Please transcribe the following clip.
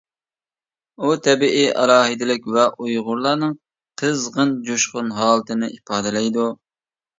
ئۇ تەبىئىي ئالاھىدىلىك ۋە ئۇيغۇرلارنىڭ قىزغىن، جۇشقۇن ھالىتىنى ئىپادىلەيدۇ.